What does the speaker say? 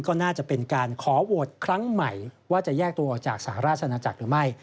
ก็น่าจะเป็นการขอโหวตครั้งใหม่ว่าจะแยกตัวออกจากสหราชนาจักรหรือไม่